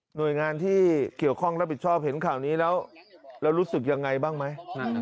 หน่วยงานที่เกี่ยวข้องรับผิดชอบเห็นข่าวนี้แล้วรู้สึกยังไงบ้างไหม